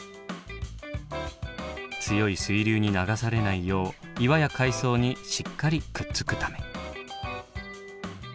強い水流に流されないよう岩や海藻にしっかりくっつくため。